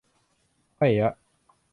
ฮ้อยยะ